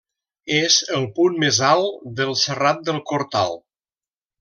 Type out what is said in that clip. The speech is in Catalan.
És el punt més alt del Serrat del Cortal.